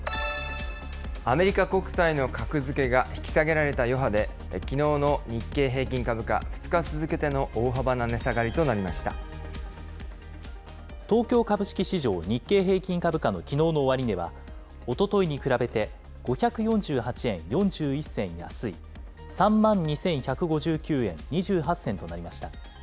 アメリカ国債の格付けが引き下げられた余波で、きのうの日経平均株価、２日続けての大幅な値下が東京株式市場、日経平均株価のきのうの終値は、おとといに比べて５４８円４１銭安い、３万２１５９円２８銭となりました。